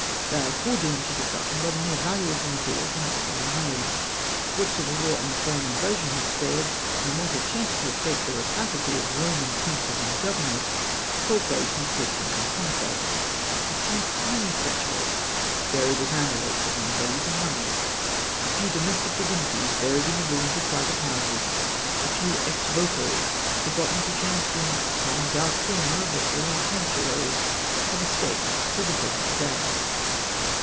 They are foredoomed to destruction by the mere value of the materials in which they are made. What civil war and foreign invasion had spared, and what had chanced to escape the rapacity of Roman princes and governors, fell a prey to Christian iconoclasm. A few tiny statuettes buried as amulets upon the bodies of mummies, a few domestic divinities buried in the ruins of private houses, a few ex votos forgotten, perchance, in some dark corner of a fallen sanctuary, have escaped till the present day.